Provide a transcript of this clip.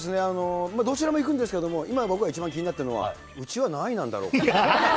どちらも行くんですけど、今、僕が一番気になってるのは、うちは何位なんだろうと。